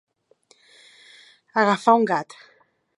Agafar un gat.